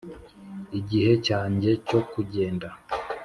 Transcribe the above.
igihe cyanjye cyo kugenda.